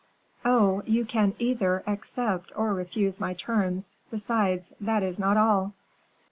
"Oh, you can either accept or refuse my terms; besides, that is not all."